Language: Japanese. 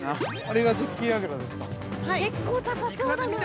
◆結構高そうだな。